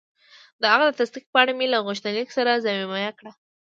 د هغه تصدیق پاڼه مې له غوښتنلیک سره ضمیمه کړه.